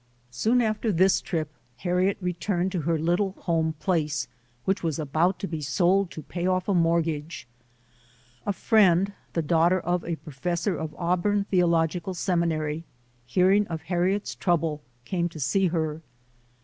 Soon after this trip Harriet returned to her little home place, which was about to be sold to pay off a mortgage. A friend, the daughter of a professor of Auburn Theological Seminary, hearing of Harriet's trouble, came to see her.